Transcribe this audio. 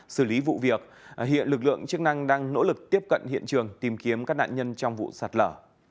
xử lý vụ việc hiện lực lượng chức năng đang nỗ lực tiếp cận hiện trường tìm kiếm các nạn nhân trong vụ sạt lở